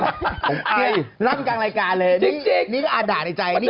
แล้วทำไมบ้างลั่นกลางรายการเลยนี่อาจด่าในใจ